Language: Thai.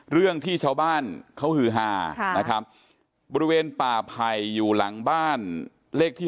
เรื่องที่ชาวบ้านเขาฮือฮานะครับบริเวณป่าไผ่อยู่หลังบ้านเลขที่